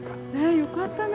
よかったね。